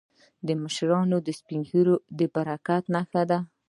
د مشرانو سپینه ږیره د برکت نښه ده.